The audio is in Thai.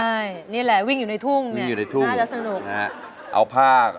ใช่นี่แหละวิ่งอยู่ในทุ่งเนี่ยน่าจะสนุก